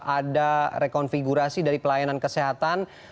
ada rekonfigurasi dari pelayanan kesehatan